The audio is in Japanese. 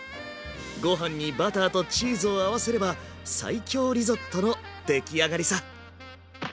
ご飯にバターとチーズを合わせれば最強リゾットの出来上がりさ